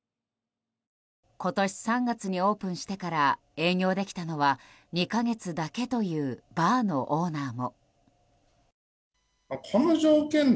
今年３月にオープンしてから営業できたのは２か月だけというバーのオーナーも。